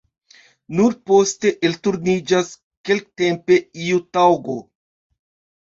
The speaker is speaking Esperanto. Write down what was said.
Nur poste elturniĝas kelktempe iu taŭgo.